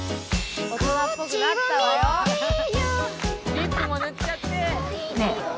「リップも塗っちゃって」